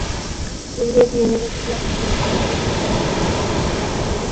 পূর্বে এটি university of Chicago graduate school of business.